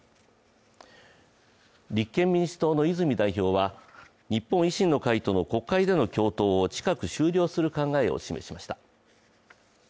立憲民主党の泉代表は日本維新の会との国会での共闘を近く終了する考えを示しました。